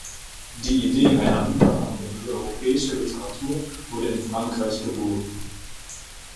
Die Idee einer Übernahme in die europäische Literatur wurde in Frankreich geboren.